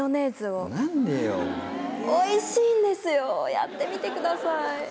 やってみてください。